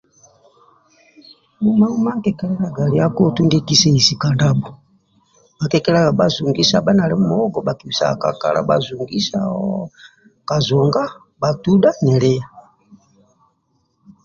Uma uma nkikelelaga nilia akorub ndie kiseisi kandabho bhakikelega bhazungisao kazunga bhatudha nilia